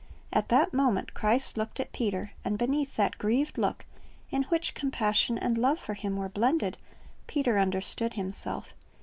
At that moment Christ looked at Peter, and beneath that grieved look, in which compassion and love for him were blended, Peter understood himself.